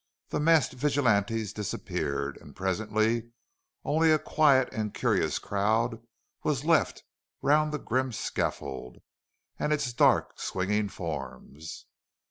The masked vigilantes disappeared, and presently only a quiet and curious crowd was left round the grim scaffold and its dark swinging forms.